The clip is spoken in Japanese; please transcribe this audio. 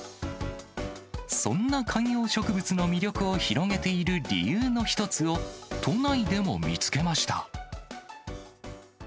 そんな観葉植物の魅力を広げている理由の一つを、都内でも見つけました。